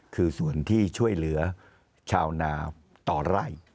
คือส่วนที่ช่วยเหลือชาวนาต่อไร่